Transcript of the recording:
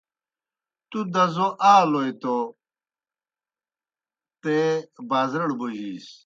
تُوْ دزو آلوئے توْ تے بازرَڑ بوجِیس۔